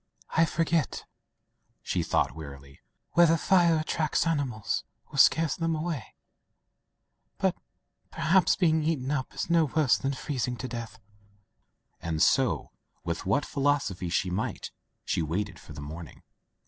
"I forget,'* she thought wearily, "whether fires attract animals, or scare them, away, but, perhaps, being eaten up is no worse tfian freezing to death,'* and so, with what philosophy she might, she waited for the morning.